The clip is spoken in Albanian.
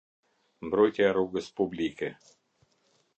Mbrojtja e rrugës publike.